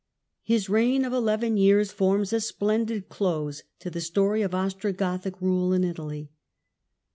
His reign of eleven years forms a splendid close to the story of Ostrogothic rule in Italy.